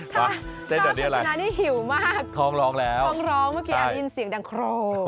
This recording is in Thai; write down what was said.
มาเต้นด่วยอะไรฟังนานนี้หิวมากคล้องร้องแล้วเมื่อกี้อันนี้เสียงดังโคร